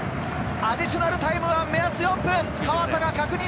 アディショナルタイムは目安４分。